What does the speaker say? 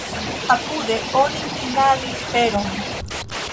Apude oni minadis feron.